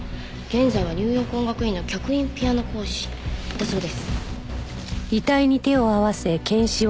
現在はニューヨーク音楽院の客員ピアノ講師だそうです。